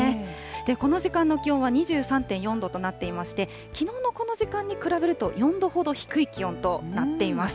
この時間の気温は２３．４度となっていまして、きのうのこの時間に比べると４度ほど低い気温となっています。